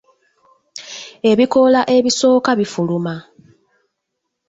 Ebikoola ebisooka bifuluma.